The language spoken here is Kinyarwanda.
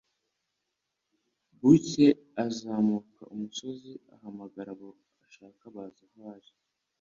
"Bukcye azamuka umusozi ahamagara abo ashaka baza aho ari,